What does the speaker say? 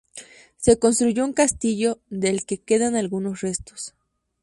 Se construyó un castillo, del que quedan algunos restos.